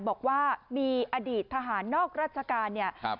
บอกว่ามีอดีตทหารนอกราชการเนี่ย